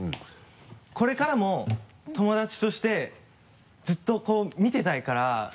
これからも友達としてずっと見てたいから。